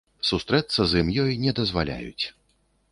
Сустрэцца з ім ёй не дазваляюць.